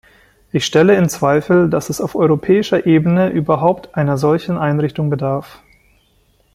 Ich stelle in Zweifel, dass es auf europäischer Ebene überhaupt einer solchen Einrichtung bedarf.